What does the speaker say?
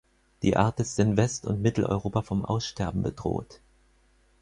Die Art ist in West- und Mitteleuropa vom Aussterben bedroht.